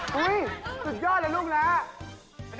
สุดยอดเลยลูกนะ